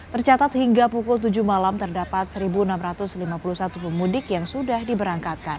tercatat hingga pukul tujuh malam terdapat satu enam ratus lima puluh satu pemudik yang sudah diberangkatkan